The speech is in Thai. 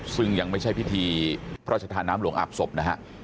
ซึ่งยังไม่ใช่พิธีพระราชธาน้ำหลวงอาบศพนะฮะ